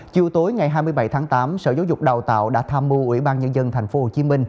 chiều tối ngày hai mươi bảy tháng tám sở giáo dục đào tạo đã tham mưu ủy ban nhân dân tp hcm